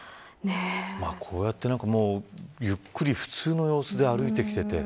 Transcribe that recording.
こうやってゆっくり普通の様子で歩いてきていて。